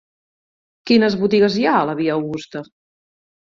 Quines botigues hi ha a la via Augusta?